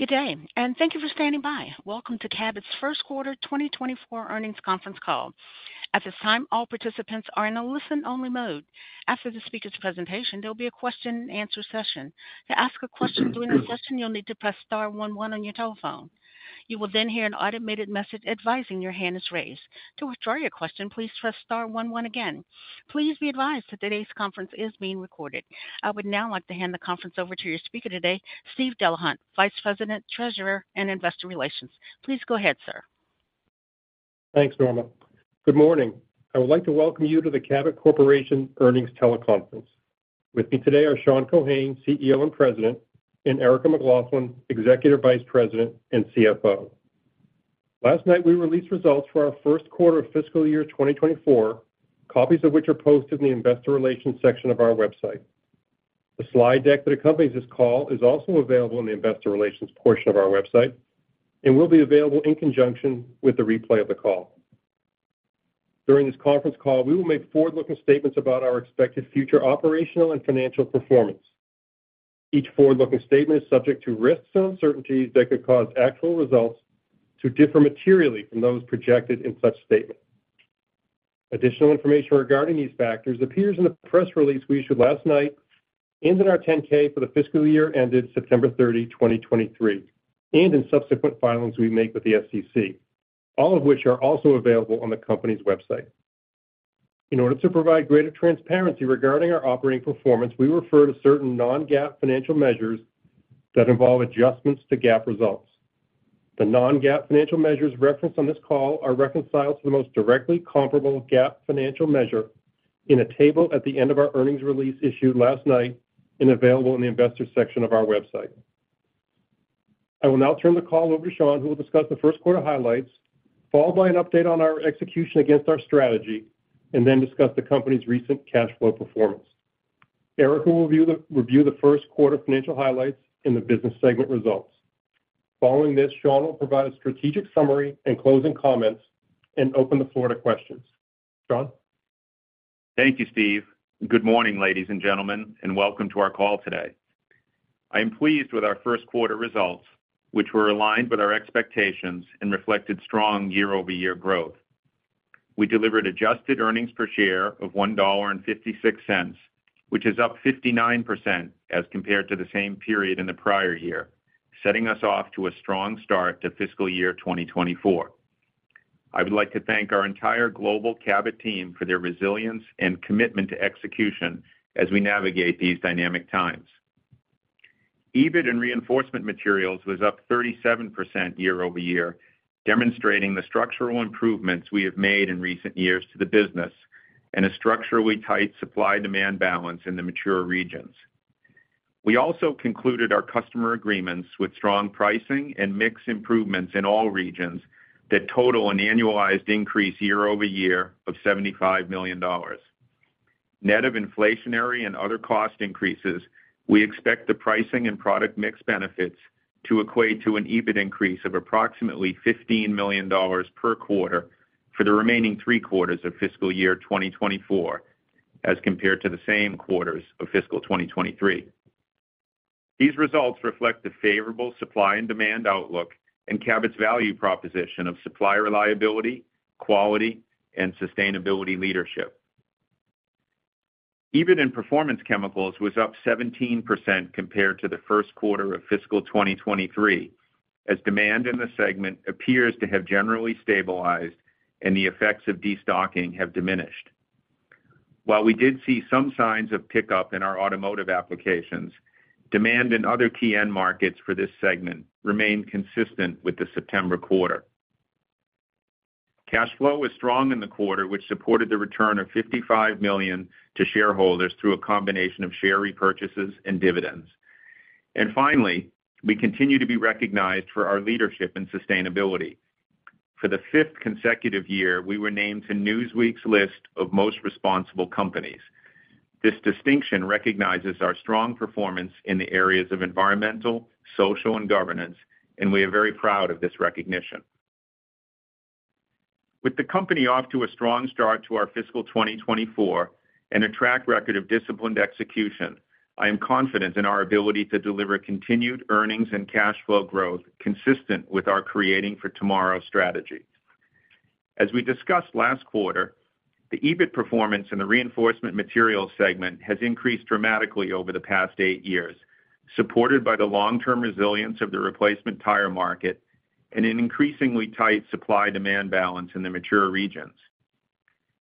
Good day, and thank you for standing by. Welcome to Cabot's First Quarter 2024 Earnings Conference Call. At this time, all participants are in a listen-only mode. After the speaker's presentation, there'll be a question-and-answer session. To ask a question during the session, you'll need to press star one one on your telephone. You will then hear an automated message advising your hand is raised. To withdraw your question, please press star one one again. Please be advised that today's conference is being recorded. I would now like to hand the conference over to your speaker today, Steve Delahunt, Vice President, Treasurer, and Investor Relations. Please go ahead, sir. Thanks, Norma. Good morning. I would like to welcome you to the Cabot Corporation Earnings Teleconference. With me today are Sean Keohane, CEO and President, and Erica McLaughlin, Executive Vice President and CFO. Last night, we released results for our first quarter of fiscal year 2024, copies of which are posted in the investor relations section of our website. The slide deck that accompanies this call is also available in the investor relations portion of our website and will be available in conjunction with the replay of the call. During this conference call, we will make forward-looking statements about our expected future operational and financial performance. Each forward-looking statement is subject to risks and uncertainties that could cause actual results to differ materially from those projected in such statements. Additional information regarding these factors appears in the press release we issued last night and in our 10-K for the fiscal year ended September 30, 2023, and in subsequent filings we make with the SEC, all of which are also available on the company's website. In order to provide greater transparency regarding our operating performance, we refer to certain non-GAAP financial measures that involve adjustments to GAAP results. The non-GAAP financial measures referenced on this call are reconciled to the most directly comparable GAAP financial measure in a table at the end of our earnings release issued last night and available in the Investors section of our website. I will now turn the call over to Sean, who will discuss the first quarter highlights, followed by an update on our execution against our strategy, and then discuss the company's recent cash flow performance. Erica will review the first quarter financial highlights and the business segment results. Following this, Sean will provide a strategic summary and closing comments and open the floor to questions. Sean? Thank you, Steve. Good morning, ladies and gentlemen, and welcome to our call today. I am pleased with our first quarter results, which were aligned with our expectations and reflected strong year-over-year growth. We delivered adjusted earnings per share of $1.56, which is up 59% as compared to the same period in the prior year, setting us off to a strong start to fiscal year 2024. I would like to thank our entire global Cabot team for their resilience and commitment to execution as we navigate these dynamic times. EBIT in Reinforcement Materials was up 37% year-over-year, demonstrating the structural improvements we have made in recent years to the business and a structurally tight supply-demand balance in the mature regions. We also concluded our customer agreements with strong pricing and mix improvements in all regions that total an annualized increase year-over-year of $75 million. Net of inflationary and other cost increases, we expect the pricing and product mix benefits to equate to an EBIT increase of approximately $15 million per quarter for the remaining three quarters of fiscal year 2024, as compared to the same quarters of fiscal 2023. These results reflect the favorable supply and demand outlook and Cabot's value proposition of supply, reliability, quality, and sustainability leadership. EBIT in Performance Chemicals was up 17% compared to the first quarter of fiscal 2023, as demand in the segment appears to have generally stabilized and the effects of destocking have diminished. While we did see some signs of pickup in our automotive applications, demand in other key end markets for this segment remained consistent with the September quarter. Cash flow was strong in the quarter, which supported the return of $55 million to shareholders through a combination of share repurchases and dividends. And finally, we continue to be recognized for our leadership and sustainability. For the 5th consecutive year, we were named to Newsweek's list of Most Responsible Companies. This distinction recognizes our strong performance in the areas of environmental, social, and governance, and we are very proud of this recognition. With the company off to a strong start to our fiscal 2024 and a track record of disciplined execution, I am confident in our ability to deliver continued earnings and cash flow growth consistent with our Creating for Tomorrow strategy. As we discussed last quarter, the EBIT performance in the Reinforcement Materials segment has increased dramatically over the past eight years, supported by the long-term resilience of the replacement tire market and an increasingly tight supply-demand balance in the mature regions.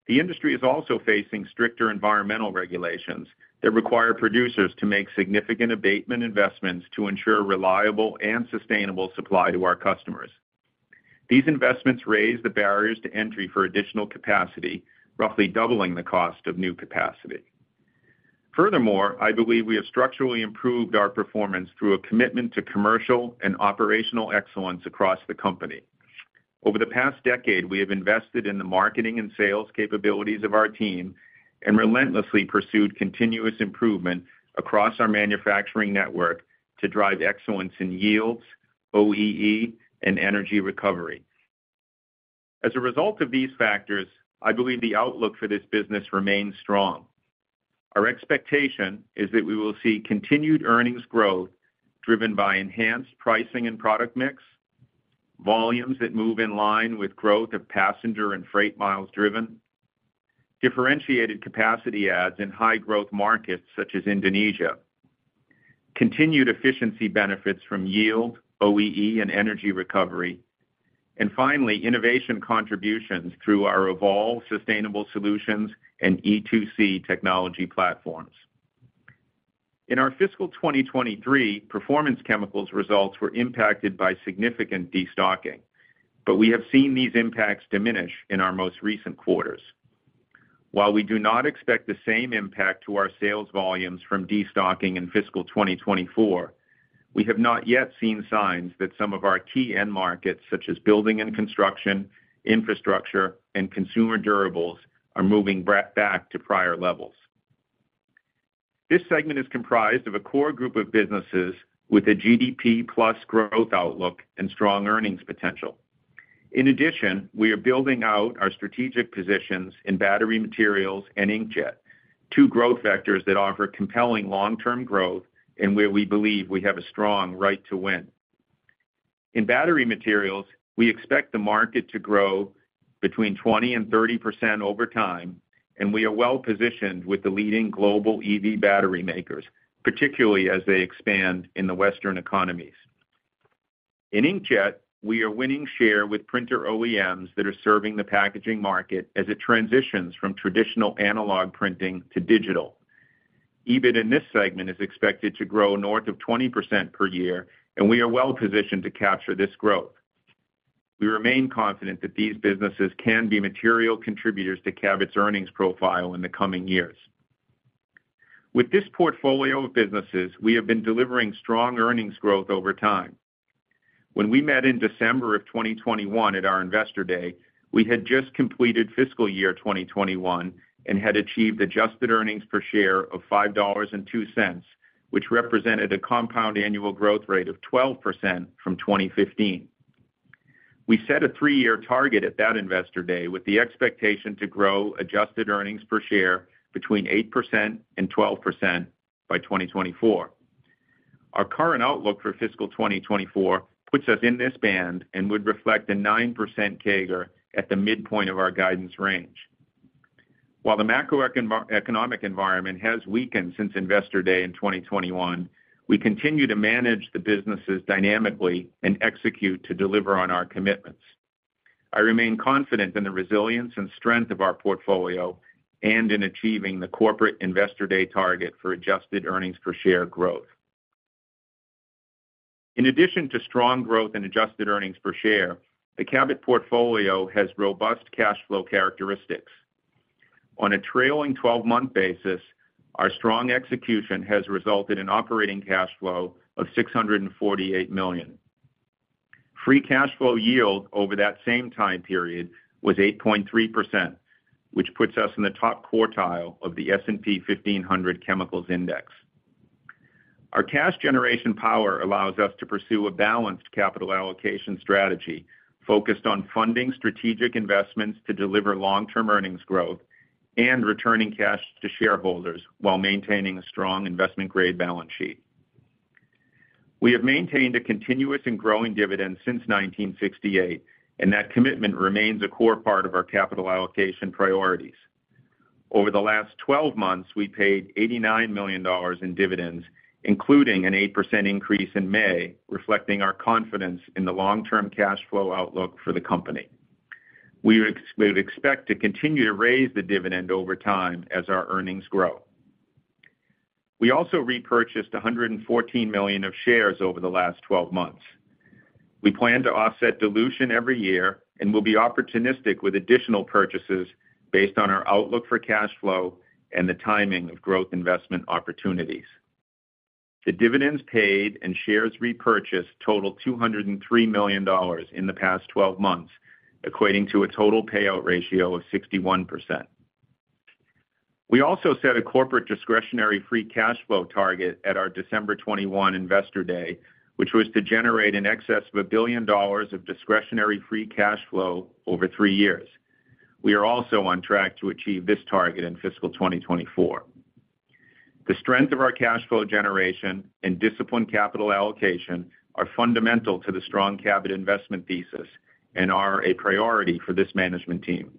The industry is also facing stricter environmental regulations that require producers to make significant abatement investments to ensure reliable and sustainable supply to our customers. These investments raise the barriers to entry for additional capacity, roughly doubling the cost of new capacity. Furthermore, I believe we have structurally improved our performance through a commitment to commercial and operational excellence across the company. Over the past decade, we have invested in the marketing and sales capabilities of our team and relentlessly pursued continuous improvement across our manufacturing network to drive excellence in yields, OEE, and energy recovery. As a result of these factors, I believe the outlook for this business remains strong. Our expectation is that we will see continued earnings growth driven by enhanced pricing and product mix, volumes that move in line with growth of passenger and freight miles driven, differentiated capacity adds in high-growth markets such as Indonesia, continued efficiency benefits from yield, OEE, and energy recovery, and finally, innovation contributions through our EVOLVE Sustainable Solutions and E2C technology platforms. In our fiscal 2023, Performance Chemicals results were impacted by significant destocking, but we have seen these impacts diminish in our most recent quarters. While we do not expect the same impact to our sales volumes from destocking in fiscal 2024, we have not yet seen signs that some of our key end markets, such as building and construction, infrastructure, and consumer durables, are moving back to prior levels. This segment is comprised of a core group of businesses with a GDP plus growth outlook and strong earnings potential. In addition, we are building out our strategic positions in battery materials and inkjet, two growth vectors that offer compelling long-term growth and where we believe we have a strong right to win. In battery materials, we expect the market to grow between 20% and 30% over time, and we are well-positioned with the leading global EV battery makers, particularly as they expand in the Western economies. In Inkjet, we are winning share with printer OEMs that are serving the packaging market as it transitions from traditional analog printing to digital. EBIT in this segment is expected to grow north of 20% per year, and we are well positioned to capture this growth. We remain confident that these businesses can be material contributors to Cabot's earnings profile in the coming years. With this portfolio of businesses, we have been delivering strong earnings growth over time. When we met in December of 2021 at our Investor Day, we had just completed fiscal year 2021 and had achieved adjusted earnings per share of $5.02, which represented a compound annual growth rate of 12% from 2015. We set a three-year target at that Investor Day with the expectation to grow adjusted earnings per share between 8% and 12% by 2024. Our current outlook for fiscal 2024 puts us in this band and would reflect a 9% CAGR at the midpoint of our guidance range. While the macroeconomic environment has weakened since Investor Day in 2021, we continue to manage the businesses dynamically and execute to deliver on our commitments. I remain confident in the resilience and strength of our portfolio and in achieving the corporate Investor Day target for adjusted earnings per share growth. In addition to strong growth and adjusted earnings per share, the Cabot portfolio has robust cash flow characteristics. On a trailing twelve-month basis, our strong execution has resulted in operating cash flow of $648 million. Free cash flow yield over that same time period was 8.3%, which puts us in the top quartile of the S&P 1500 Chemicals Index. Our cash generation power allows us to pursue a balanced capital allocation strategy focused on funding strategic investments to deliver long-term earnings growth and returning cash to shareholders while maintaining a strong investment-grade balance sheet. We have maintained a continuous and growing dividend since 1968, and that commitment remains a core part of our capital allocation priorities. Over the last 12 months, we paid $89 million in dividends, including an 8% increase in May, reflecting our confidence in the long-term cash flow outlook for the company. We would expect to continue to raise the dividend over time as our earnings grow. We also repurchased $114 million of shares over the last 12 months. We plan to offset dilution every year and will be opportunistic with additional purchases based on our outlook for cash flow and the timing of growth investment opportunities. The dividends paid and shares repurchased totaled $203 million in the past twelve months, equating to a total payout ratio of 61%. We also set a corporate discretionary free cash flow target at our December 2021 Investor Day, which was to generate in excess of $1 billion of discretionary free cash flow over three years. We are also on track to achieve this target in fiscal 2024. The strength of our cash flow generation and disciplined capital allocation are fundamental to the strong Cabot investment thesis and are a priority for this management team.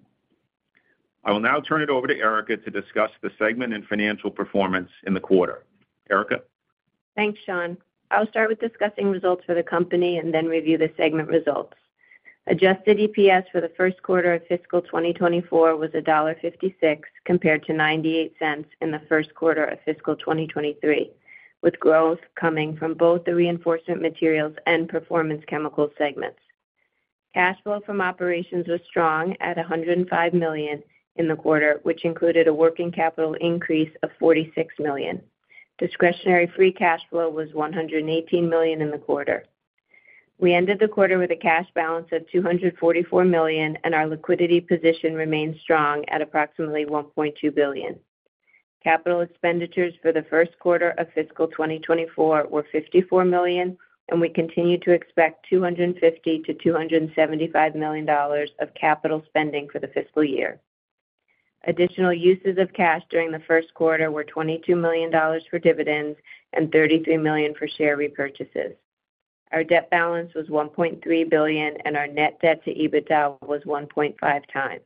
I will now turn it over to Erica to discuss the segment and financial performance in the quarter. Erica? Thanks, Sean. I'll start with discussing results for the company and then review the segment results. Adjusted EPS for the first quarter of fiscal 2024 was $1.56, compared to $0.98 in the first quarter of fiscal 2023, with growth coming from both the Reinforcement Materials and Performance Chemicals segments. Cash flow from operations was strong at $105 million in the quarter, which included a working capital increase of $46 million. Discretionary free cash flow was $118 million in the quarter. We ended the quarter with a cash balance of $244 million, and our liquidity position remains strong at approximately $1.2 billion.... Capital expenditures for the first quarter of fiscal 2024 were $54 million, and we continue to expect $250 million-$275 million of capital spending for the fiscal year. Additional uses of cash during the first quarter were $22 million for dividends and $33 million for share repurchases. Our debt balance was $1.3 billion, and our net debt to EBITDA was 1.5 times.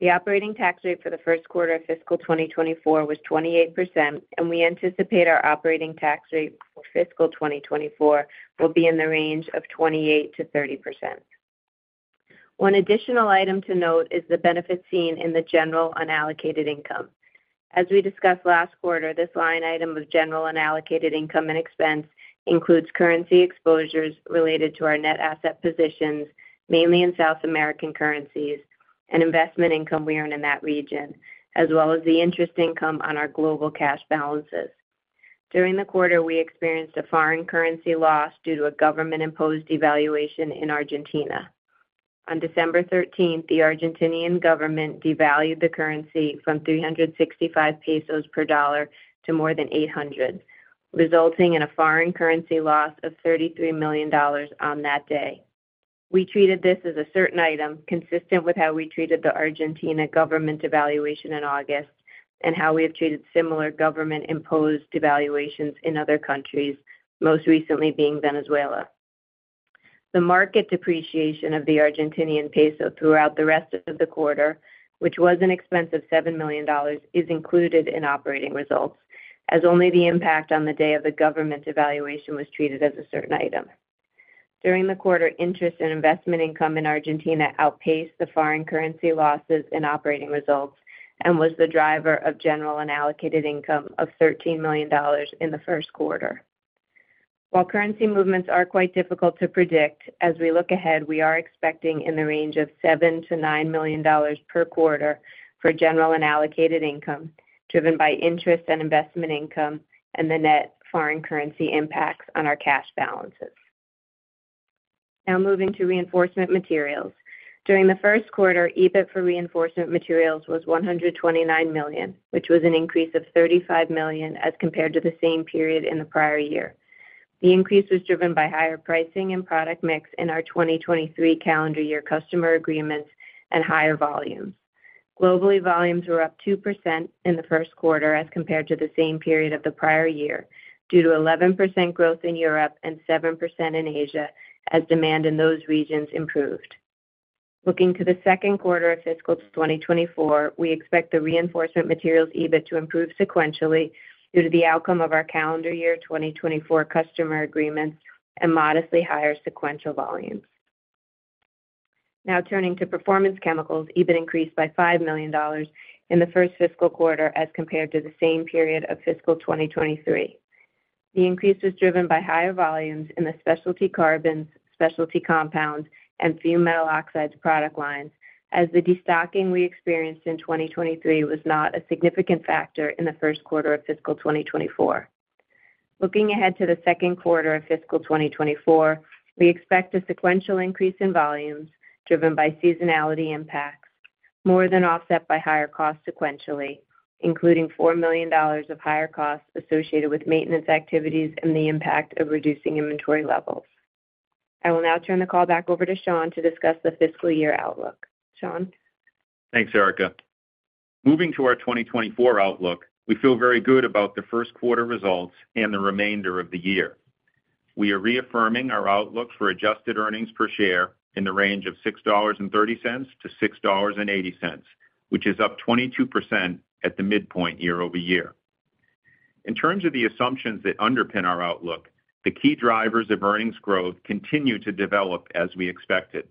The operating tax rate for the first quarter of fiscal 2024 was 28%, and we anticipate our operating tax rate for fiscal 2024 will be in the range of 28%-30%. One additional item to note is the benefit seen in the general unallocated income. As we discussed last quarter, this line item of general unallocated income and expense includes currency exposures related to our net asset positions, mainly in South American currencies and investment income we earn in that region, as well as the interest income on our global cash balances. During the quarter, we experienced a foreign currency loss due to a government-imposed devaluation in Argentina. On December thirteenth, the Argentine government devalued the currency from 365 pesos per dollar to more than 800, resulting in a foreign currency loss of $33 million on that day. We treated this as a certain item, consistent with how we treated the Argentine government devaluation in August and how we have treated similar government-imposed devaluations in other countries, most recently being Venezuela. The market depreciation of the Argentine peso throughout the rest of the quarter, which was an expense of $7 million, is included in operating results, as only the impact on the day of the government devaluation was treated as a certain item. During the quarter, interest in investment income in Argentina outpaced the foreign currency losses in operating results and was the driver of general unallocated income of $13 million in the first quarter. While currency movements are quite difficult to predict, as we look ahead, we are expecting in the range of $7-$9 million per quarter for general unallocated income, driven by interest and investment income and the net foreign currency impacts on our cash balances. Now moving to Reinforcement Materials. During the first quarter, EBIT for Reinforcement Materials was $129 million, which was an increase of $35 million as compared to the same period in the prior year. The increase was driven by higher pricing and product mix in our 2023 calendar year customer agreements and higher volumes. Globally, volumes were up 2% in the first quarter as compared to the same period of the prior year, due to 11% growth in Europe and 7% in Asia as demand in those regions improved. Looking to the second quarter of fiscal 2024, we expect the Reinforcement Materials EBIT to improve sequentially due to the outcome of our calendar year 2024 customer agreements and modestly higher sequential volumes. Now turning to Performance Chemicals, EBIT increased by $5 million in the first fiscal quarter as compared to the same period of fiscal 2023. The increase was driven by higher volumes in the Specialty Carbons, Specialty Compounds and Fumed Metal Oxides product lines, as the destocking we experienced in 2023 was not a significant factor in the first quarter of fiscal 2024. Looking ahead to the second quarter of fiscal 2024, we expect a sequential increase in volumes driven by seasonality impacts, more than offset by higher costs sequentially, including $4 million of higher costs associated with maintenance activities and the impact of reducing inventory levels. I will now turn the call back over to Sean to discuss the fiscal year outlook. Sean? Thanks, Erica. Moving to our 2024 outlook, we feel very good about the first quarter results and the remainder of the year. We are reaffirming our outlook for adjusted earnings per share in the range of $6.30-$6.80, which is up 22% at the midpoint year-over-year. In terms of the assumptions that underpin our outlook, the key drivers of earnings growth continue to develop as we expected.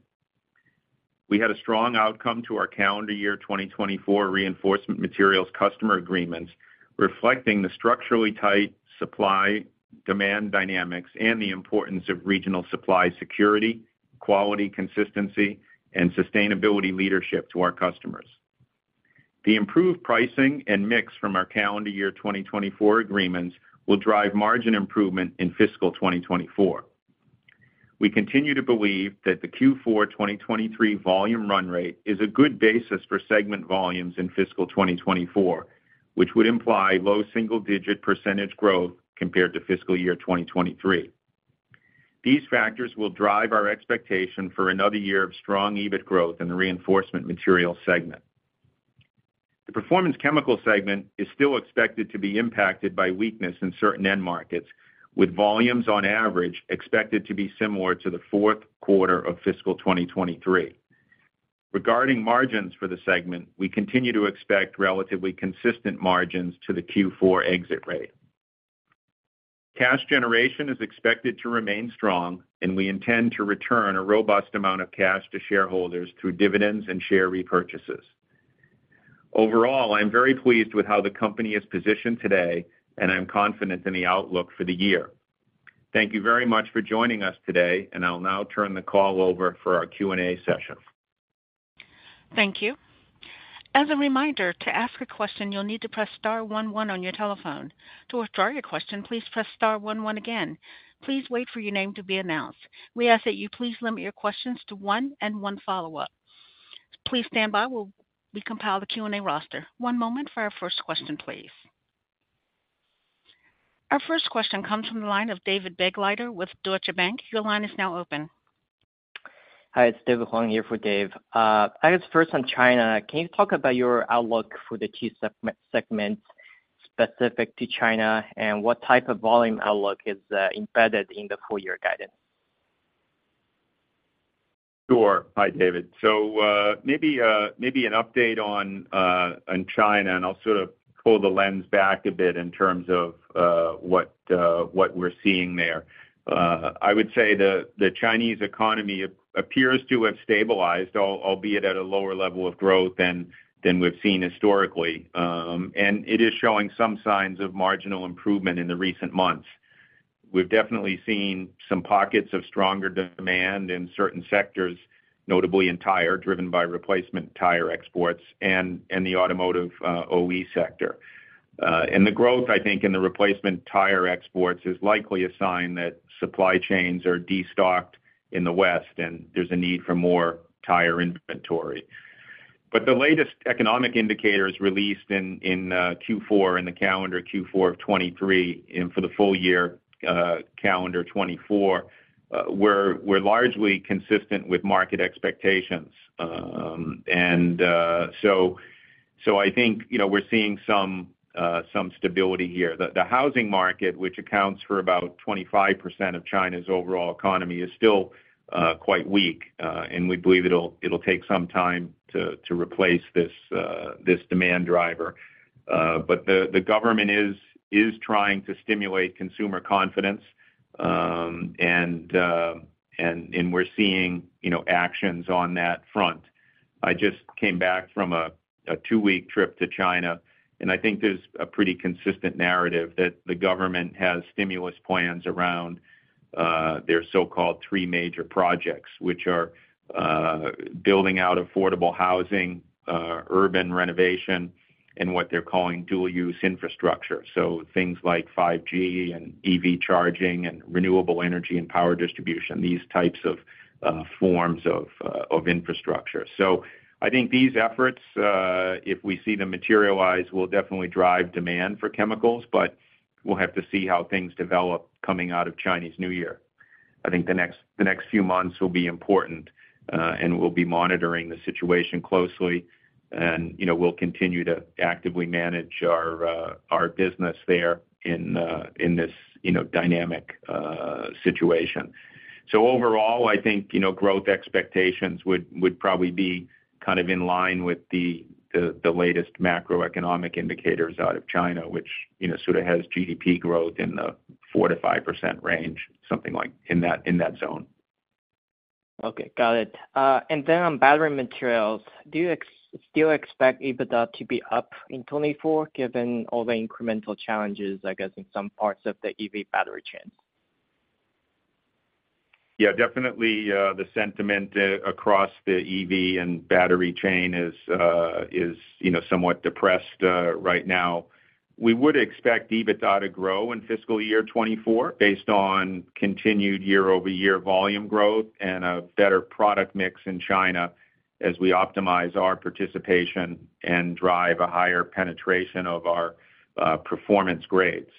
We had a strong outcome to our calendar year 2024 Reinforcement Materials customer agreements, reflecting the structurally tight supply-demand dynamics and the importance of regional supply security, quality, consistency and sustainability leadership to our customers. The improved pricing and mix from our calendar year 2024 agreements will drive margin improvement in fiscal 2024. We continue to believe that the Q4 2023 volume run rate is a good basis for segment volumes in fiscal 2024, which would imply low single-digit % growth compared to fiscal year 2023. These factors will drive our expectation for another year of strong EBIT growth in the Reinforcement Material segment. The Performance chemical segment is still expected to be impacted by weakness in certain end markets, with volumes on average expected to be similar to the fourth quarter of fiscal 2023. Regarding margins for the segment, we continue to expect relatively consistent margins to the Q4 exit rate. Cash generation is expected to remain strong, and we intend to return a robust amount of cash to shareholders through dividends and share repurchases. Overall, I am very pleased with how the company is positioned today, and I'm confident in the outlook for the year. Thank you very much for joining us today, and I'll now turn the call over for our Q&A session. Thank you. As a reminder, to ask a question, you'll need to press star one, one on your telephone. To withdraw your question, please press star one, one again. Please wait for your name to be announced. We ask that you please limit your questions to one and one follow-up. Please stand by while we compile the Q&A roster. One moment for our first question, please.... Our first question comes from the line of David Begleiter with Deutsche Bank. Your line is now open. Hi, it's David Huang here for Dave. I guess first on China, can you talk about your outlook for the two segment, segments specific to China, and what type of volume outlook is embedded in the full year guidance? Sure. Hi, David. So, maybe an update on China, and I'll sort of pull the lens back a bit in terms of what we're seeing there. I would say the Chinese economy appears to have stabilized, albeit at a lower level of growth than we've seen historically. And it is showing some signs of marginal improvement in the recent months. We've definitely seen some pockets of stronger demand in certain sectors, notably in tire, driven by replacement tire exports and the automotive OE sector. And the growth, I think, in the replacement tire exports is likely a sign that supply chains are destocked in the West, and there's a need for more tire inventory. But the latest economic indicators released in Q4, in the calendar Q4 of 2023, and for the full year, calendar 2024, were largely consistent with market expectations. And so I think, you know, we're seeing some stability here. The housing market, which accounts for about 25% of China's overall economy, is still quite weak, and we believe it'll take some time to replace this demand driver. But the government is trying to stimulate consumer confidence, and we're seeing, you know, actions on that front. I just came back from a two-week trip to China, and I think there's a pretty consistent narrative that the government has stimulus plans around their so-called three major projects, which are building out affordable housing, urban renovation, and what they're calling dual use infrastructure. So things like 5G, and EV charging, and renewable energy, and power distribution, these types of forms of infrastructure. So I think these efforts, if we see them materialize, will definitely drive demand for chemicals, but we'll have to see how things develop coming out of Chinese New Year. I think the next few months will be important, and we'll be monitoring the situation closely. And, you know, we'll continue to actively manage our business there in this, you know, dynamic situation. So overall, I think, you know, growth expectations would probably be kind of in line with the latest macroeconomic indicators out of China, which, you know, sort of has GDP growth in the 4%-5% range, something like in that zone. Okay, got it. And then on battery materials, do you expect EBITDA to be up in 2024, given all the incremental challenges, I guess, in some parts of the EV battery chain? Yeah, definitely, the sentiment across the EV and battery chain is, is, you know, somewhat depressed, right now. We would expect EBITDA to grow in fiscal year 2024, based on continued year-over-year volume growth and a better product mix in China as we optimize our participation and drive a higher penetration of our, performance grades.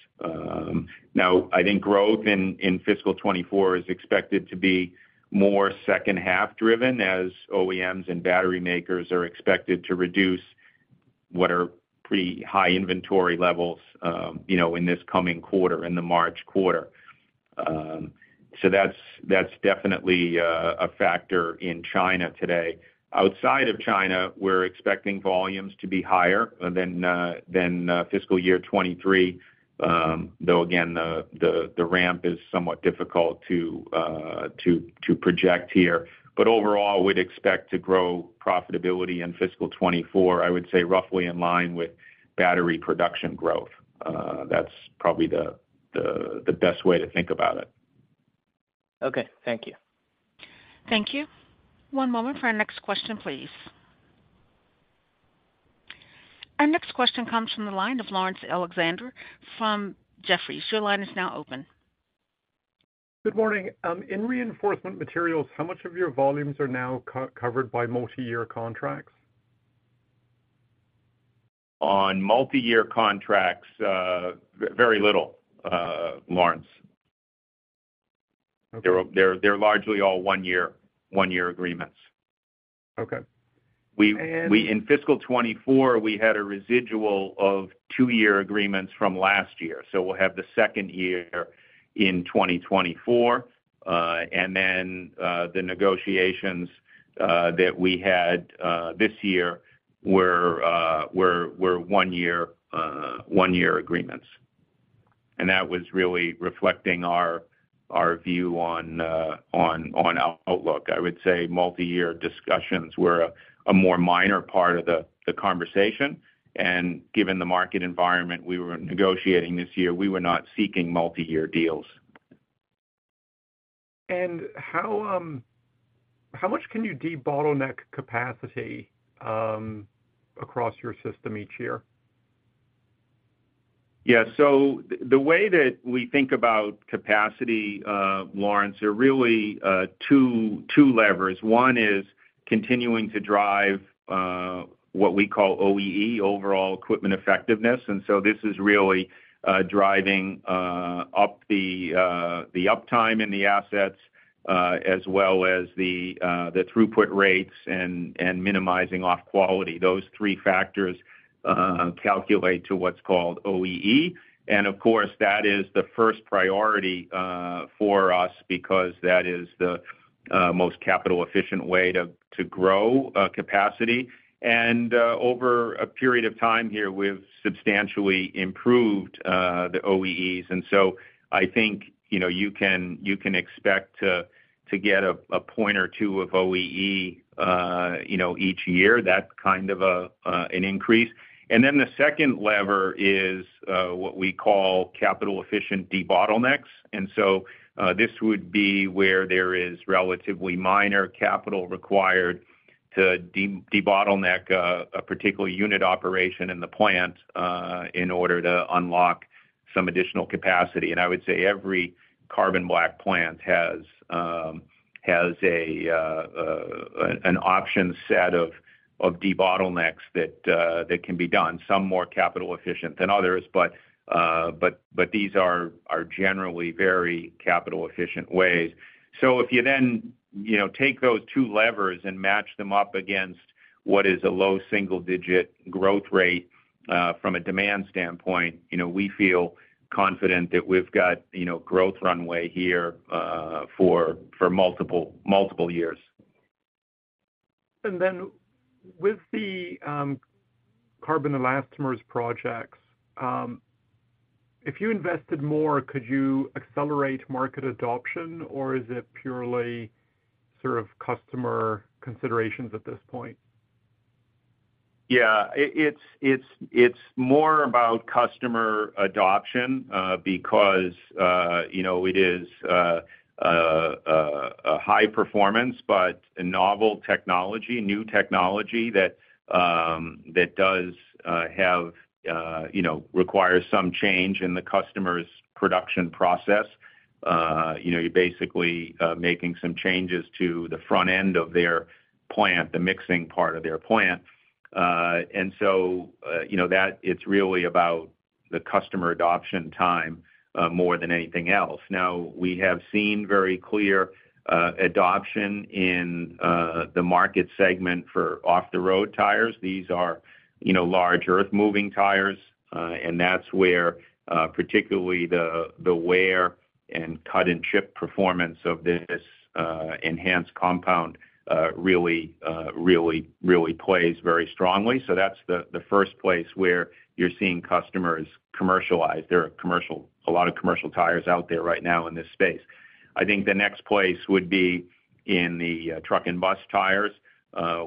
Now, I think growth in, in fiscal 2024 is expected to be more second half driven, as OEMs and battery makers are expected to reduce what are pretty high inventory levels, you know, in this coming quarter, in the March quarter. So that's, that's definitely, a factor in China today. Outside of China, we're expecting volumes to be higher than, than, fiscal year 2023. Though, again, the, the, the ramp is somewhat difficult to, to, to project here. Overall, we'd expect to grow profitability in fiscal 2024, I would say, roughly in line with battery production growth. That's probably the best way to think about it. Okay, thank you. Thank you. One moment for our next question, please. Our next question comes from the line of Lawrence Alexander from Jefferies. Your line is now open. Good morning. In Reinforcement Materials, how much of your volumes are now covered by multi-year contracts? On multiyear contracts, very little, Lawrence. Okay. They're largely all one-year agreements. Okay. And- In fiscal 2024, we had a residual of two-year agreements from last year, so we'll have the second year in 2024. And then, the negotiations that we had this year were one-year agreements, and that was really reflecting our view on our outlook. I would say multiyear discussions were a more minor part of the conversation, and given the market environment we were negotiating this year, we were not seeking multiyear deals. How much can you debottleneck capacity across your system each year? Yeah, so the way that we think about capacity, Lawrence, are really two levers. One is continuing to drive what we call OEE, Overall Equipment Effectiveness. And so this is really driving up the uptime in the assets as well as the throughput rates and minimizing off quality. Those three factors calculate to what's called OEE. And of course, that is the first priority for us because that is the most capital-efficient way to grow capacity. And over a period of time here, we've substantially improved the OEEs. And so I think, you know, you can expect to get a point or two of OEE, you know, each year, that kind of an increase. And then the second lever is what we call capital-efficient debottlenecks. And so this would be where there is relatively minor capital required to debottleneck a particular unit operation in the plant in order to unlock some additional capacity. And I would say every carbon black plant has an option set of debottlenecks that can be done, some more capital efficient than others, but these are generally very capital-efficient ways. So if you then, you know, take those two levers and match them up against what is a low single-digit growth rate from a demand standpoint, you know, we feel confident that we've got, you know, growth runway here for multiple years. And then with the carbon elastomers projects, if you invested more, could you accelerate market adoption, or is it purely sort of customer considerations at this point? Yeah, it's more about customer adoption, because, you know, it is a high performance, but a novel technology, new technology that does have-- you know, requires some change in the customer's production process. You know, you're basically making some changes to the front end of their plant, the mixing part of their plant. You know, that it's really about the customer adoption time, more than anything else. Now, we have seen very clear adoption in the market segment for off-the-road tires. These are, you know, large earthmoving tires, and that's where, particularly the wear and cut-and-chip performance of this enhanced compound really, really, really plays very strongly. So that's the first place where you're seeing customers commercialize. There are a lot of commercial tires out there right now in this space. I think the next place would be in the truck and bus tires,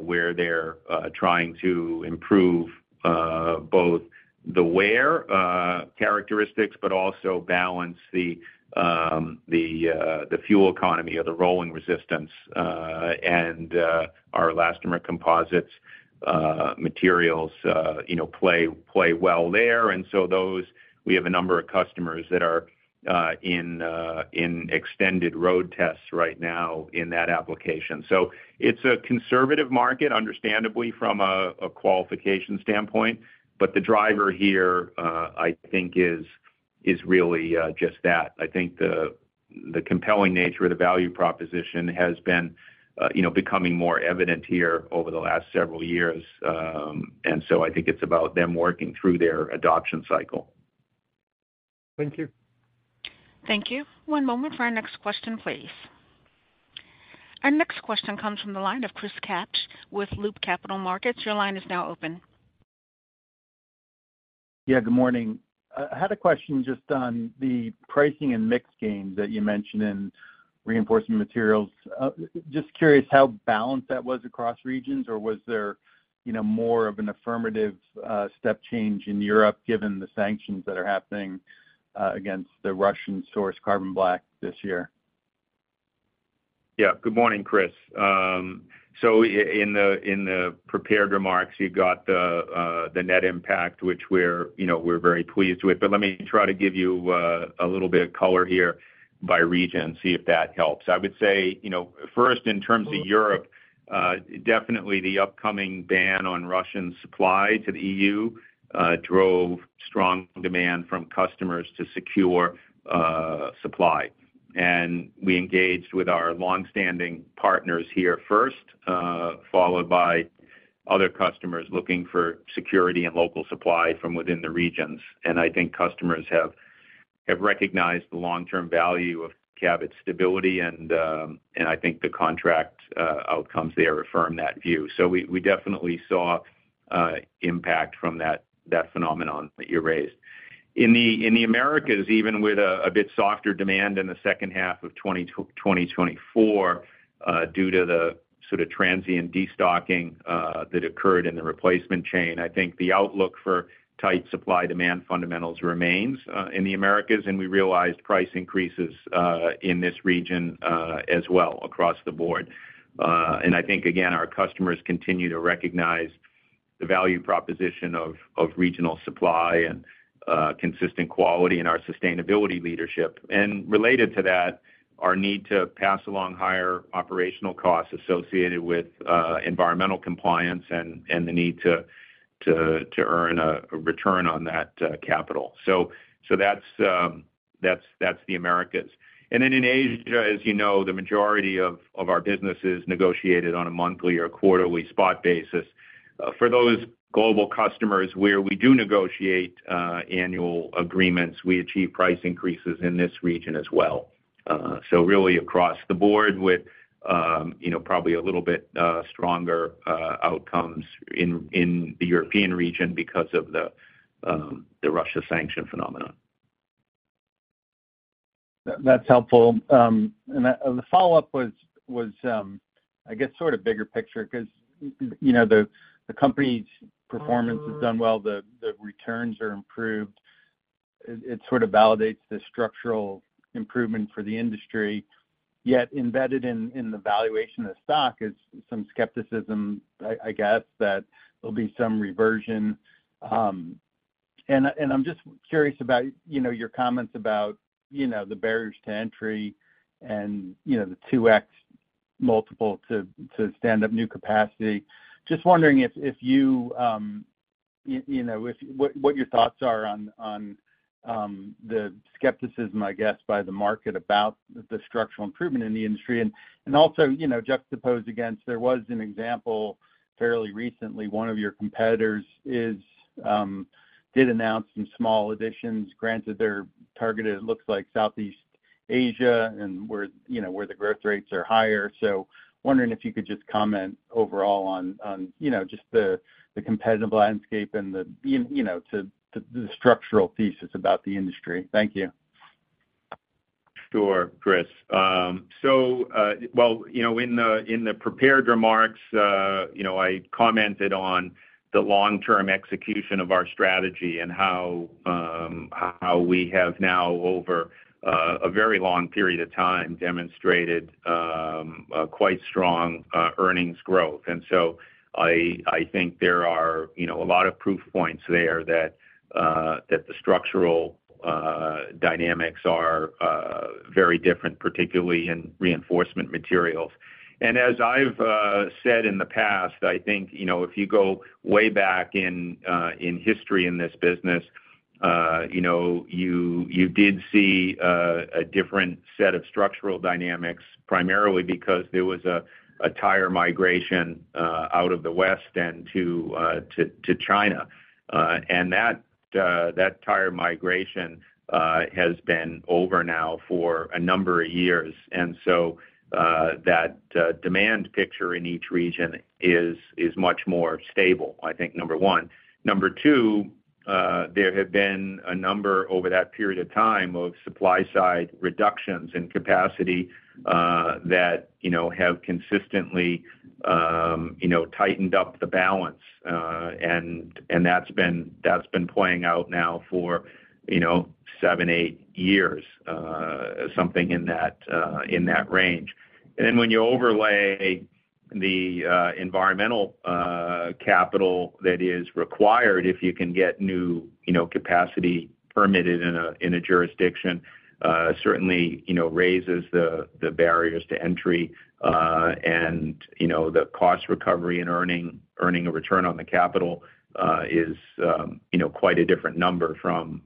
where they're trying to improve both the wear characteristics, but also balance the fuel economy or the rolling resistance. And our elastomer composites materials, you know, play, play well there. So those, we have a number of customers that are in extended road tests right now in that application. So it's a conservative market, understandably, from a qualification standpoint, but the driver here, I think is really just that. I think the compelling nature of the value proposition has been, you know, becoming more evident here over the last several years. I think it's about them working through their adoption cycle. Thank you. Thank you. One moment for our next question, please. Our next question comes from the line of Chris Kapsch with Loop Capital Markets. Your line is now open. Yeah, good morning. I had a question just on the pricing and mix gain that you mentioned in Reinforcement Materials. Just curious how balanced that was across regions, or was there, you know, more of an affirmative step change in Europe, given the sanctions that are happening against the Russian-sourced carbon black this year? Yeah. Good morning, Chris. So in the prepared remarks, you've got the net impact, which we're, you know, we're very pleased with, but let me try to give you a little bit of color here by region and see if that helps. I would say, you know, first, in terms of Europe, definitely the upcoming ban on Russian supply to the EU drove strong demand from customers to secure supply. And we engaged with our longstanding partners here first, followed by other customers looking for security and local supply from within the regions. And I think customers have recognized the long-term value of Cabot's stability, and I think the contract outcomes there affirm that view. So we definitely saw an impact from that phenomenon that you raised. In the Americas, even with a bit softer demand in the second half of 2024, due to the sort of transient destocking that occurred in the replacement chain, I think the outlook for tight supply-demand fundamentals remains in the Americas, and we realized price increases in this region as well across the board. And I think, again, our customers continue to recognize the value proposition of regional supply and consistent quality and our sustainability leadership. And related to that, our need to pass along higher operational costs associated with environmental compliance and the need to earn a return on that capital. So that's the Americas. Then in Asia, as you know, the majority of our business is negotiated on a monthly or quarterly spot basis. For those global customers where we do negotiate annual agreements, we achieve price increases in this region as well. So really across the board with, you know, probably a little bit stronger outcomes in the European region because of the Russia sanction phenomenon. That's helpful. And the follow-up was, I guess sort of bigger picture, 'cause, you know, the company's performance has done well, the returns are improved. It sort of validates the structural improvement for the industry. Yet embedded in the valuation of the stock is some skepticism, I guess, that there'll be some reversion. And I'm just curious about, you know, your comments about, you know, the barriers to entry and, you know, the 2x multiple to stand up new capacity. Just wondering if you know what your thoughts are on the skepticism, I guess, by the market about the structural improvement in the industry. And also, you know, juxtaposed against there was an example fairly recently, one of your competitors is, did announce some small additions. Granted, they're targeted, it looks like Southeast Asia and where, you know, where the growth rates are higher. So wondering if you could just comment overall on, you know, just the competitive landscape and you know, to the structural thesis about the industry. Thank you. Sure, Chris. So, you know, in the prepared remarks, you know, I commented on the long-term execution of our strategy, and how we have now over a very long period of time, demonstrated a quite strong earnings growth. And so I think there are, you know, a lot of proof points there that the structural dynamics are very different, particularly in Reinforcement Materials. And as I've said in the past, I think, you know, if you go way back in history in this business, you know, you did see a different set of structural dynamics, primarily because there was a tire migration out of the West and to China. And that tire migration has been over now for a number of years. And so, that demand picture in each region is much more stable, I think, number one. Number two, there have been a number over that period of time of supply side reductions in capacity, that you know have consistently you know tightened up the balance. And that's been playing out now for, you know, seven, eight years, something in that range. And then when you overlay the environmental capital that is required, if you can get new capacity permitted in a jurisdiction, certainly raises the barriers to entry. And, you know, the cost recovery and earning a return on the capital is, you know, quite a different number from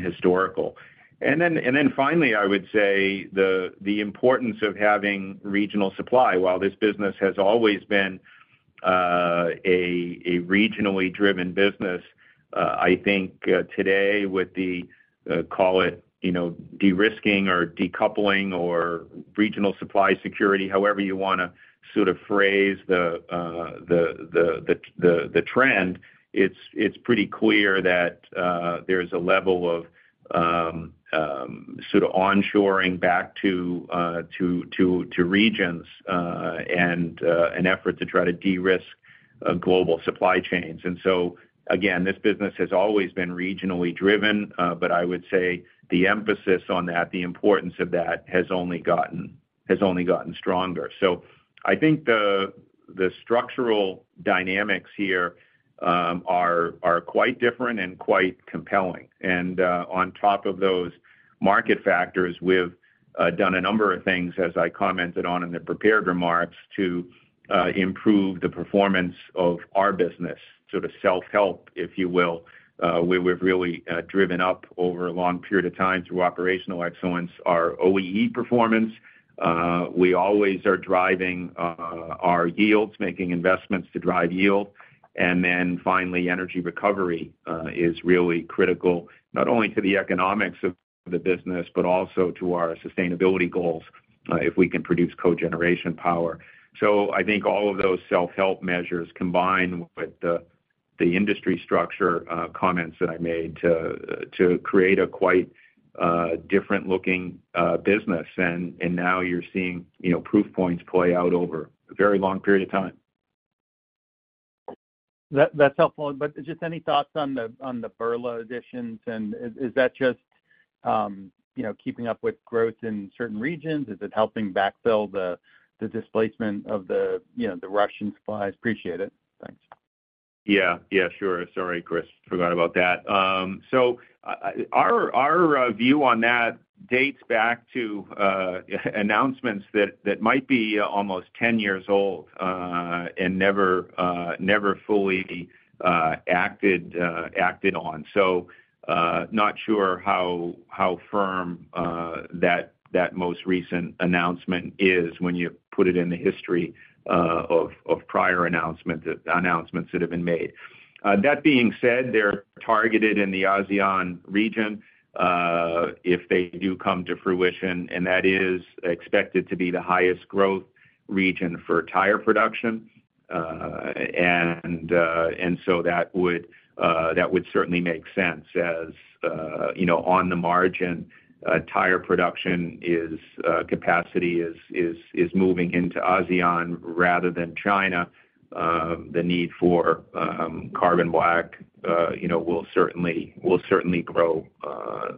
historical. And then finally, I would say the importance of having regional supply. While this business has always been a regionally driven business, I think today with the call it, you know, de-risking or decoupling or regional supply security, however you wanna sort of phrase the trend, it's pretty clear that there's a level of sort of onshoring back to regions, and an effort to try to de-risk global supply chains. So, again, this business has always been regionally driven, but I would say the emphasis on that, the importance of that has only gotten stronger. So I think the structural dynamics here are quite different and quite compelling. And on top of those market factors, we've done a number of things, as I commented on in the prepared remarks, to improve the performance of our business, sort of self-help, if you will. We've really driven up over a long period of time through operational excellence, our OEE performance. We always are driving our yields, making investments to drive yield. And then finally, energy recovery is really critical, not only to the economics of the business, but also to our sustainability goals, if we can produce co-generation power. So I think all of those self-help measures combined with the industry structure comments that I made to create a quite different looking business. And now you're seeing, you know, proof points play out over a very long period of time. That, that's helpful. But just any thoughts on the Birla additions, and is that just you know, keeping up with growth in certain regions? Is it helping backfill the displacement of the, you know, the Russian supplies? Appreciate it. Thanks. Yeah, yeah, sure. Sorry, Chris, forgot about that. So, our view on that dates back to announcements that might be almost 10 years old, and never fully acted on. So, not sure how firm that most recent announcement is when you put it in the history of prior announcements that have been made. That being said, they're targeted in the ASEAN region, if they do come to fruition, and that is expected to be the highest growth region for tire production. And so that would certainly make sense as, you know, on the margin, tire production capacity is moving into ASEAN rather than China, the need for carbon black, you know, will certainly grow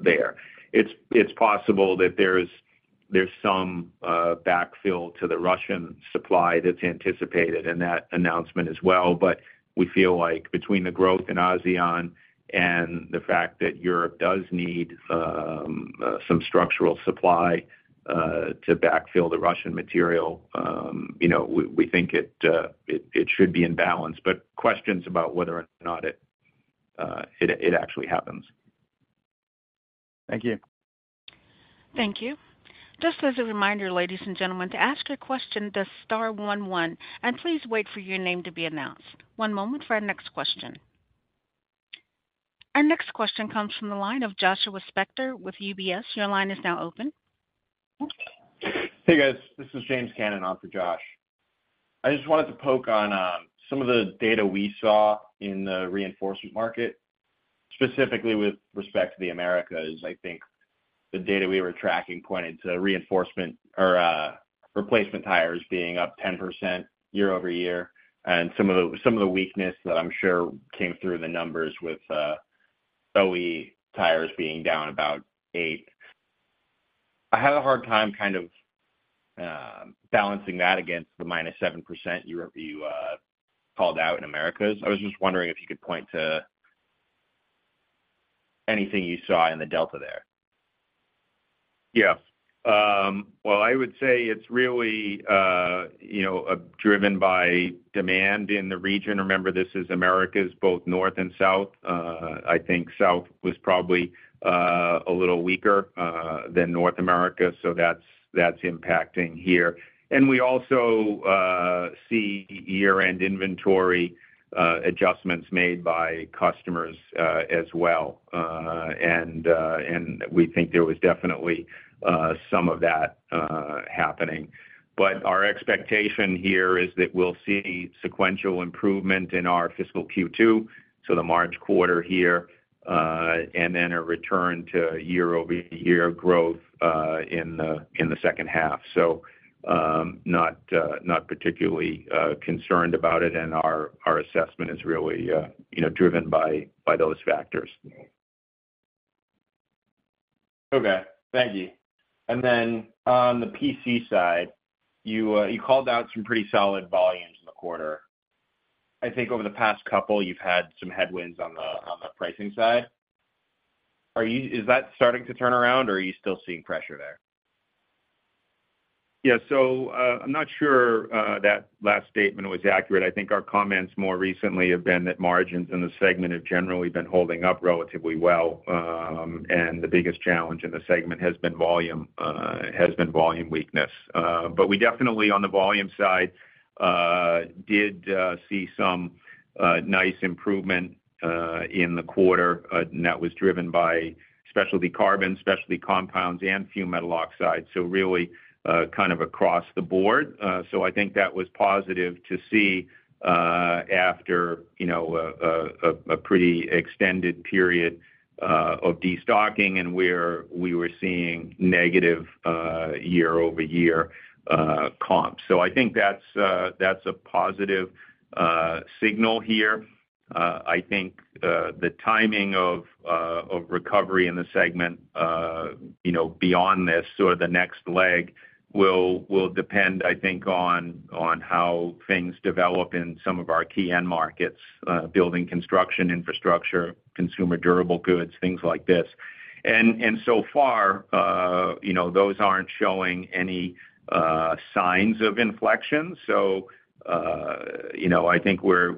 there. It's possible that there's some backfill to the Russian supply that's anticipated in that announcement as well, but we feel like between the growth in ASEAN and the fact that Europe does need some structural supply to backfill the Russian material, you know, we think it should be in balance. But questions about whether or not it actually happens. Thank you. Thank you. Just as a reminder, ladies and gentlemen, to ask a question, press star one one, and please wait for your name to be announced. One moment for our next question. Our next question comes from the line of Joshua Spector with UBS. Your line is now open. Hey, guys, this is James Cannon on for Josh. I just wanted to poke on some of the data we saw in the reinforcement market, specifically with respect to the Americas. I think the data we were tracking pointed to reinforcement or replacement tires being up 10% year-over-year, and some of the weakness that I'm sure came through in the numbers with OE tires being down about 8%. I had a hard time kind of balancing that against the -7% you called out in Americas. I was just wondering if you could point to anything you saw in the delta there. Yeah. Well, I would say it's really, you know, driven by demand in the region. Remember, this is Americas, both North and South. I think South was probably a little weaker than North America, so that's, that's impacting here. And we also see year-end inventory adjustments made by customers as well. And we think there was definitely some of that happening. But our expectation here is that we'll see sequential improvement in our fiscal Q2, so the March quarter here, and then a return to year-over-year growth in the second half. So, not particularly concerned about it, and our assessment is really, you know, driven by those factors. Okay, thank you. And then on the PC side, you called out some pretty solid volumes in the quarter. I think over the past couple, you've had some headwinds on the pricing side. Is that starting to turn around, or are you still seeing pressure there? Yeah, so, I'm not sure that last statement was accurate. I think our comments more recently have been that margins in the segment have generally been holding up relatively well, and the biggest challenge in the segment has been volume, has been volume weakness. But we definitely, on the volume side, did see some nice improvement in the quarter, and that was driven by Specialty Carbons, Specialty Compounds, and fumed metal oxides, so really, kind of across the board. So I think that was positive to see, after, you know, a pretty extended period of destocking and where we were seeing negative year-over-year comp. So I think that's a positive signal here. I think the timing of recovery in the segment, you know, beyond this or the next leg, will depend, I think, on how things develop in some of our key end markets, building construction, infrastructure, consumer durable goods, things like this. And so far, you know, those aren't showing any signs of inflection. So, you know, I think we're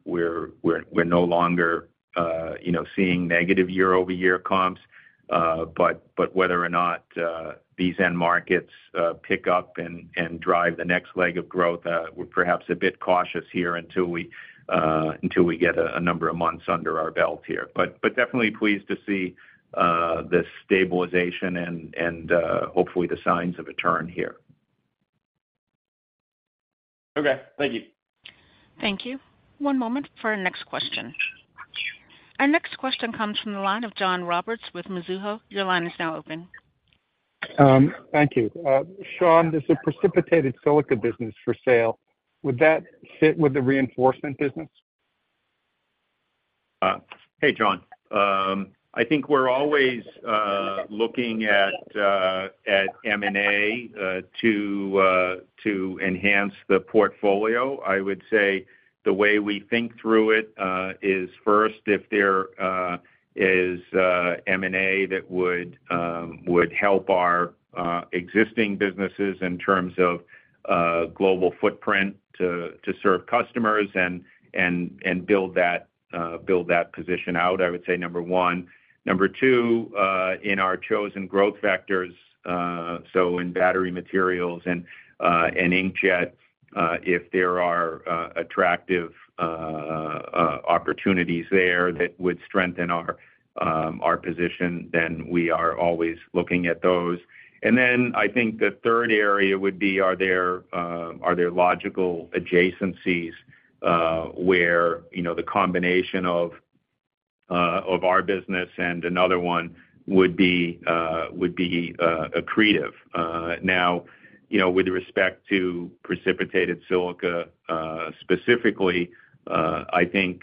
no longer, you know, seeing negative year-over-year comps. But whether or not these end markets pick up and drive the next leg of growth, we're perhaps a bit cautious here until we get a number of months under our belt here. But definitely pleased to see the stabilization and hopefully the signs of a turn here. Okay, thank you. Thank you. One moment for our next question... Our next question comes from the line of John Roberts with Mizuho. Your line is now open. Thank you. Sean, there's a Precipitated Silica business for sale. Would that fit with the reinforcement business? Hey, John. I think we're always looking at M&A to enhance the portfolio. I would say the way we think through it is first, if there is M&A that would help our existing businesses in terms of global footprint to serve customers and build that position out, I would say, number one. Number two, in our chosen growth vectors, so in Battery Materials and inkjet, if there are attractive opportunities there that would strengthen our position, then we are always looking at those. And then I think the third area would be, are there logical adjacencies, where, you know, the combination of our business and another one would be accretive? Now, you know, with respect to precipitated silica, specifically, I think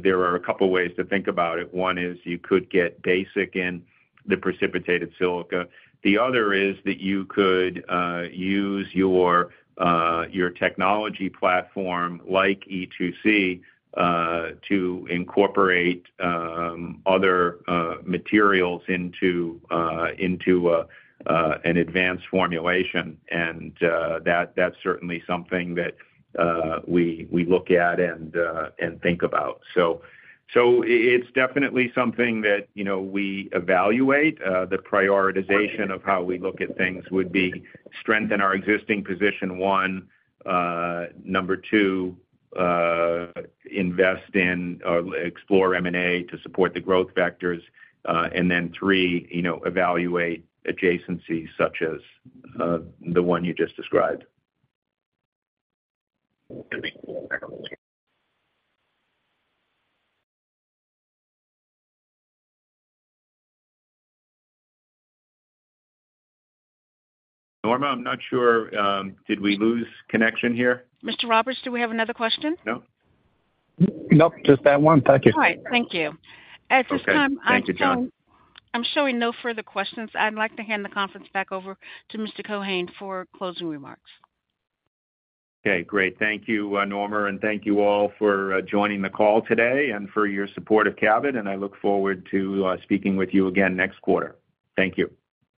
there are a couple of ways to think about it. One is you could get basic in the precipitated silica. The other is that you could use your technology platform like E2C to incorporate other materials into an advanced formulation, and that's certainly something that we look at and think about. So it's definitely something that, you know, we evaluate. The prioritization of how we look at things would be strengthen our existing position, one. Number two, invest and explore M&A to support the growth vectors. And then three, you know, evaluate adjacencies such as the one you just described. Norma, I'm not sure, did we lose connection here? Mr. Roberts, do we have another question? No. Nope, just that one. Thank you. All right. Thank you. Okay. Thank you, John. At this time, I'm showing no further questions. I'd like to hand the conference back over to Mr. Keohane for closing remarks. Okay, great. Thank you, Norma, and thank you all for joining the call today and for your support of Cabot, and I look forward to speaking with you again next quarter. Thank you.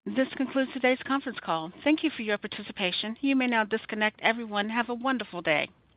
This concludes today's conference call. Thank you for your participation. You may now disconnect. Everyone, have a wonderful day.